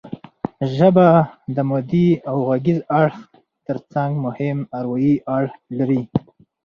ژبه د مادي او غږیز اړخ ترڅنګ مهم اروايي اړخ لري